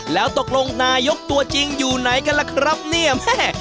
แล้วตกลงนายกตัวจริงอยู่ไหนกันล่ะครับเนี่ย